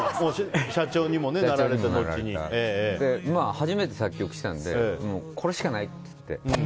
初めて作曲したのでこれしかないって。